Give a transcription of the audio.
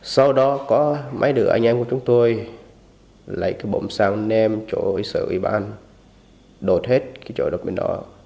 sau đó có mấy đứa anh em của chúng tôi lấy cái bộng xang nêm chỗ sở ủy ban đột hết cái chỗ đập bên đó